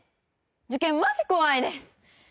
受験マジ怖いです